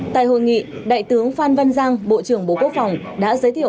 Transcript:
tại hội nghị đại tướng phan văn giang bộ trưởng bộ quốc phòng đã giới thiệu